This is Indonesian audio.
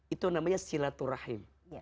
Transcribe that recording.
itu namanya silaturahim